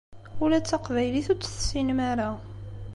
Ula d taqbaylit ur tt-tessinem ara.